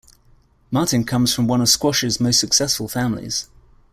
Martin comes from one of squash's most successful families.